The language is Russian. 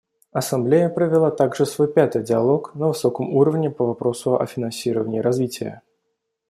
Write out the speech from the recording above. Ассамблея провела также свой пятый диалог на высоком уровне по вопросу о финансировании развития.